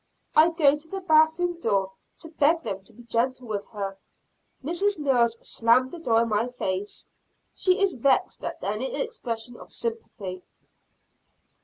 I go to the bath room door to beg them to be gentle with her. Mrs. Mills slammed the door in my face. She is vexed at any expression of sympathy.